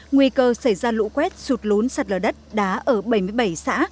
nguy cơ xảy ra lũ quét sụt lún sạt lở đất đá ở bảy mươi bảy xã